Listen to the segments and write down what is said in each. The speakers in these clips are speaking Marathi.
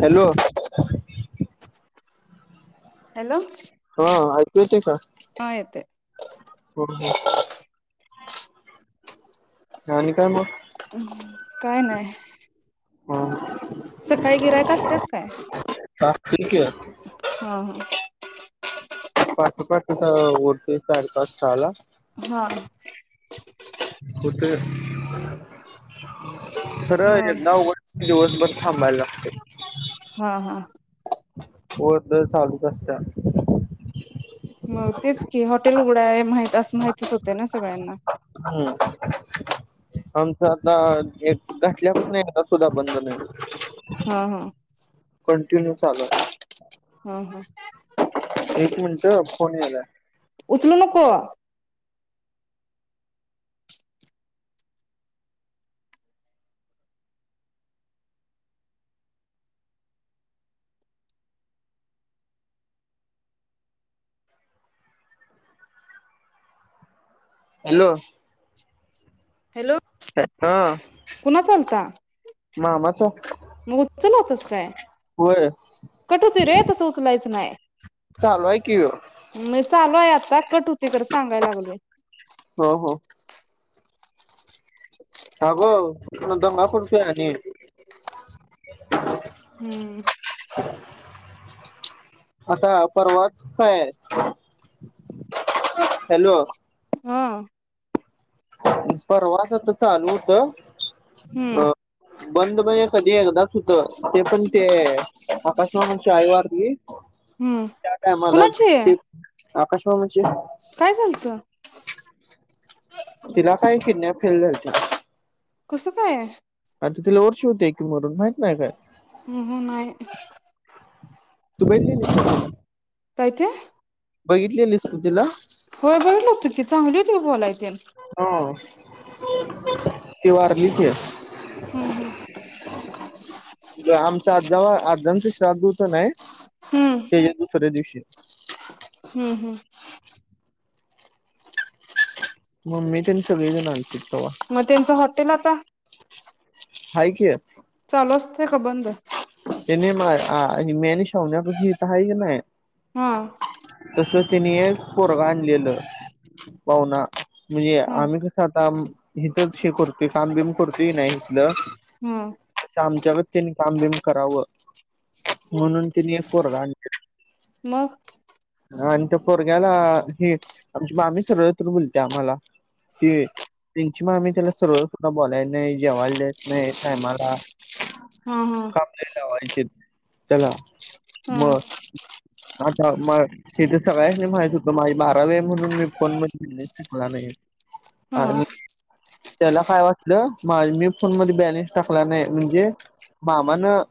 हॅलो! हॅलो? हा ऐकू येतंय का? हा येते [inaudible] काय आणि काय मग? काय नाय. हो. सकाळी गिरायक असत्यात काय? ठीक आहे पाटं पाटचं आवरतोय साडेपाच सहाला हा होते [inaudible] सरळ मग ऐकायचं [inaudible] दिवस बर [inaudible] हा हा वर दर चालूच असत [inaudible] मग तेच की हॉटेल उघडाय माहित असं माहितीच होतय ना सगळ्यांना आमचं एक घातल्या पासणं एकदा सुधा बंद नइ हा हा. कंटिन्यू चालूय. हा हा एक मिनटं फोन यालाय. उचलू नको. हॅलो? हॅलो हा पुन्हा चालता मामाचा चल होतास काय? होय कट होतोय रे तसं उचलायचं नाय चालूय कि यो. चालूय आता कट होत ते तर सांगायला लागलेय. हो [unintelligible] [inaudible] हम्म आता परवाच काय आहे? [inaudible] हॅलो हा परवाच चालू होतं. हम्म बंद म्हणजे कधी? ते एकदाच होत ते पण ते आकाश मामांची आई वारली हम्म त्या टायमालाच कुणाची ते आकाश मामांची काय झालतं? [unintelligible] तिला काय किडन्या फेल झालत्या. कसं काय? तिला वर्ष होते की मरून माहित नाही काय? ह ह नाही. तू बघितलेलीस काय तिला? काय ते बघितलेलीस तू तिला? होय बघितलं होतं [unintelligible] हा ती वारली की हम्म हम्म जेव्हा आमचा आज्जा [unintelligible] त्या दिवशीचानाही हम्म त्याच्या दुसऱ्या दिवशी हम्म हम्म मम्मी ते सगळेजण आले. मग त्यांचं हॉटेल आता? आहे की. चालू असते का बंद? [unintelligible] पाहुण्या पाशी इथं हाय का नाही हा तसं त्यांनी एक पोरगं आणलेलं पाहुणा म्हणजे हा आम्ही कसं आता इथेच हे करतोय काम बीम करतोय का नाही इथलं? हा तसा आमच्याकडे त्यांनी काम बीम करावं म्हणून तिने एक पोरगं आणलं. मग आणि त्या पोरग्याला ह आमची मामी सरळत बोलते आम्हाला ती त्यांची मामी त्याला सरळ सुध बोलाय नाही जेवायला देत नाही टायमाला. हा हा काम लय लावायचे त्याला हा मग आता मग हे तर सगळ्यासनी माहित होत माझी बारावी म्हणून मी फोन मध्ये बॅलेन्स टाकला नाही हा आणि त्याला काय वाटलं मी फोन मध्ये बॅलेन्स टाकला नाही म्हणजे? मामानं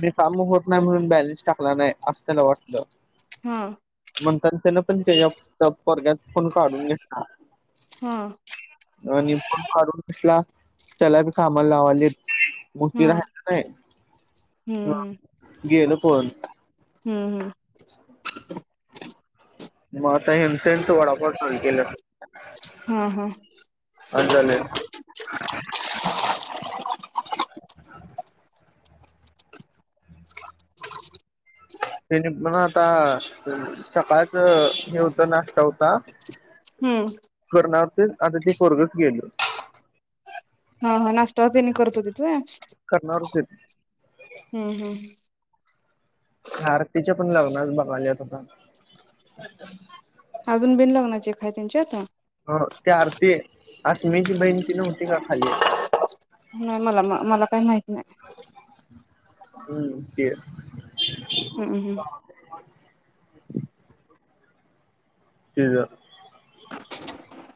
मी काम होत नाही म्हणून बॅलेन्स टाकला नाही असं त्याला वाटलं हा म्हणतान त्याने पण त्याच्या पोरग्याचा फोन काढून घेतला हा आणि फोन काढून घेतला त्याला बी कामाला लावलीत मग ती हा नाही हम्म ह हम्म गेल पळून हम्म [inaudible] मग आता ह्यांचा ह्यांचा वडापाव चालू केल्यात हा हा असं झालंय तेने पण आता सकाळच हे होत नाश्ता होता हम्म करणार होतीत आता ते पोरगच गेल हा हा नाश्तावर त्यांनी करत होतीत होय? [inaudible] हम्म हम्म आरतीच्या पण लग्नाच बघाल्यात आता अजून बिन लग्नाची एक हाय त्यांच्यात हो ती आरती अस्मिची बहीण ती नव्हती का खाली नाही मला म मला काय माहिती हम्म ते हम्म हम्म [inaudible] तिजा [unintelligible]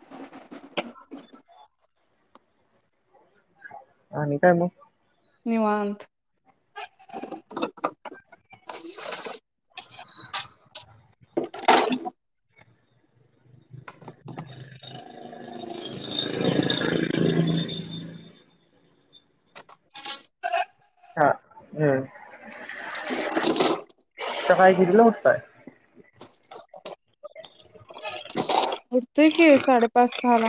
आणि काय मग निवांत [unintelligible] [unintelligible] [unintelligible] हा हम्म, सफायगिरीला होताय. उठतोय की साडे पाच सहाला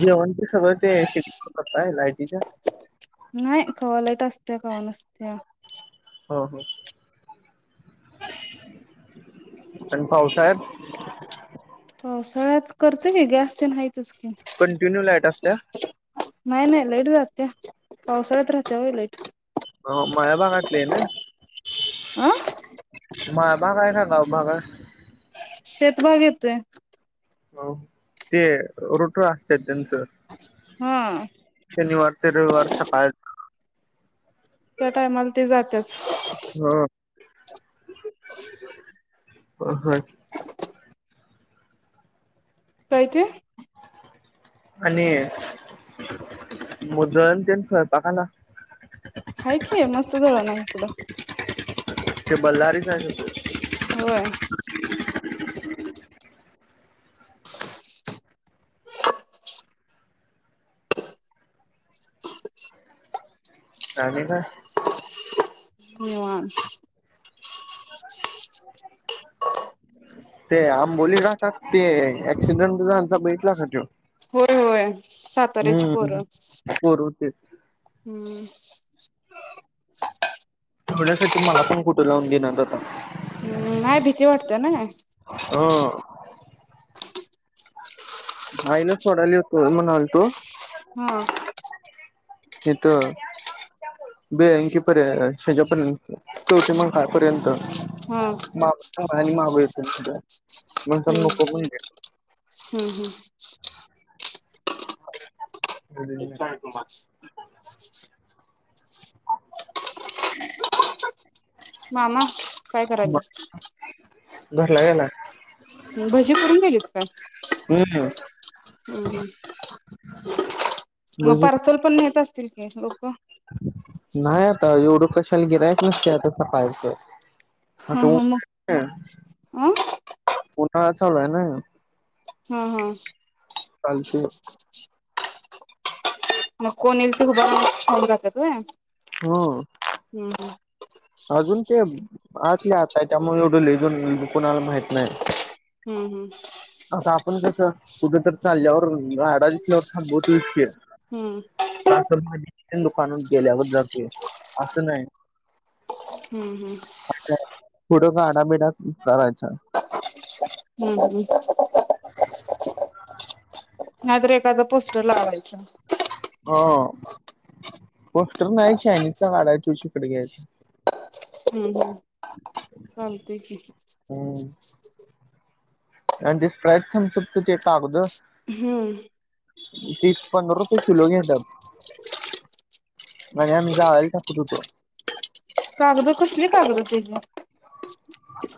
जेवण ते सगळं ते शिकवता काय लायटीच्या? नाही कवा लईट असते कवा नसत्या हो हो आणि भाऊ? हो सगळ्यात करतं की गॅस तेन हाईत कंटिन्यू लाईट असत्या? नाही नाही लाईट जात्या पावसाळ्यात राहत्या व्हय लाईट हो मायाभागातले हाय ना? अ मा बा गाय ना गाव भागल शेतभाग येतोय हो ते रोटर असत्यात त्यांचं हा शनिवार ते रविवार सकाळ त्या टायमाला ते जात्याच [unintelligible] अ ह काय ते? आणि जळण ते स्वयंपाकाला हाय कि मस्त जळण हाय इकड ते बल्हारीच आहे [inaudible] होय [inaudible] सानिका निवांत ते आंबोली घाटात ते ऍक्सिडेंट झालता बघितला काय तो? होय होय साताऱ्याची पोरं हम्म पोरं होती हम्म [unintelligible] थोड्यासाठी मला पण कुठे लावून देईनात आाता हम्म नाही भीती वाटतेय नाय ह आईला सोडायला येतो म्हनालतो हा [inaudible] इथं बेळंकीपर्यंत ह्याच्यापर्यंत कवठेमहांकाळ पर्यंत हम्म [unintelligible] महाबळेश्वर म्हणतान नको म्हणले हम्म हम्म हेच हाय तुम्हाला मामा काय करायल्यात? घरला गेलाय म् भजी करून गेलीत काय? हम्म हम् हम् मग म्हणजे पार्सल पण नेत असती् असतील की लोक नाही आता येवढं कशाला गिरायक नसतंय आता सकाळचं हां आता हां मग् ऊन अं [inaudible] उन्हाळा चालू हाय नाय ना हा हा कालची मग कोण येईल ते हुभारुन खाऊन जात्यात व्हय हो हम्म आजून ते आतल्या आत हाय त्यामुळे एवढे लय् ह [unintelligible] कुणाला माहित नाहीत हम्म हम्म आता आपण कसं कुठं तरी चालल्यावर गाडा दिसल्यावर थांबवतोयच की हम्म साखर पाणी दुकानात गेल्यावर जातेय जे असं नाही हम्म हम्म [unintelligible] पुुढं गाडा भेट् त्यात करायचा हुम्म् हुम्म् [unintelligible] नाही तर एखादा पोस्टर लावायचा हां पोस्टर नाही चायनीजचा काढाय तोच इकडे घ्यायचा हम्म हम् [inaudible] चालतंय की हम्म आणि ते स्प्राईट थमसप ते कागद हुम्म तीस पंधरा रुपये किलो घेत्यात आम्ही जाळे टाकत होतो कागद कसली कागद त्याच्यात?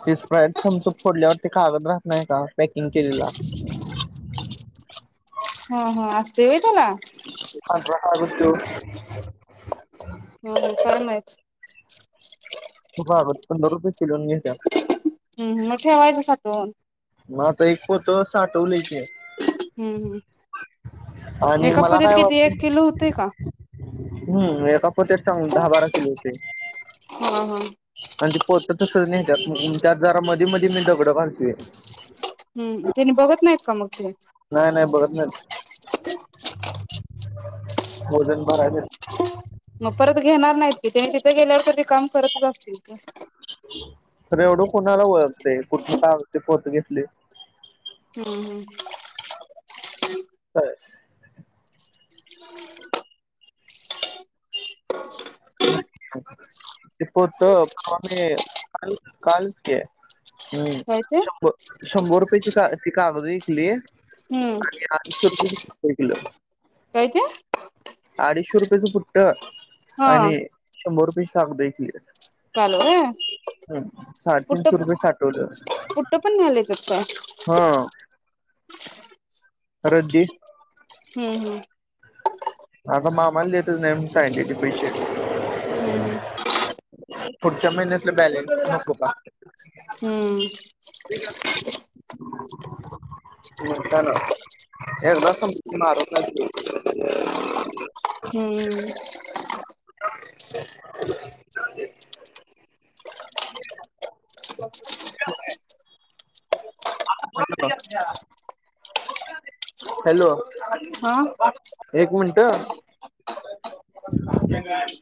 ती स्प्राईट थम्स अप फोडल्यावरती कागद राहत नाही का पॅकिंग केलेला? ह ह असतय होय त्याला [unintelligible] हो हो काय माहित हो बाबा पंधरा रुपये किलोनी घेत्यात हम्म हम्म म ठेवायचं साठवून मग आता एक पोत साठवलय की हम्म हम्म आणि एका मला पोत्यात काय किती? एक वाटतंय किलो होतय का? [unintelligible] एक सांगून दहा बारा किलो होतय [inaudible] हा हा आणि ते पोत तसंच नेत्यात त्यात जरा मधी -मधी मी दगड घालतोय हम्म तेनी बघत नाहीत का मग ते नाय नाय बघत नाहीत ठेवलेलं भरायच मग परत घेणार नाहीत तिथे तिथे गेल्यावर कधी काम करत असतोय तरी एवढं कुणाला ओळखतय कुठंन [unintelligible] पोत घेतलाय ते [inaudible] [unintelligible] [inaudible] ते पोत कवा मी काल काल की आहे हम्म काय ते शंभर -शंभर रुपयेची का कागदही हम्म [unintelligible] आनी हा काय ते आडीश रुपये [unintelligible] हा आणि शंभर रुपये चालतंय की काल होय? कुट साडेतीनशे प रुपये साठवलं कुठं पण न्हायला येतात काय? हा रद्दी हम्म हम्म आता मामाला देतच नाही म्हणून सांगितलय की पैशे हम्म हम्म पुढच्या महिन्यातलं बॅलेन्स नको का हम्म म्हणताना एकदाच फक्त नाराज झालती [unintelligible] हम्म [unintelligible] हॅलो हा [unintelligible] एक मिनटं हं